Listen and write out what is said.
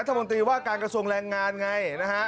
รัฐมนตรีว่าการกระทรวงแรงงานไงนะฮะ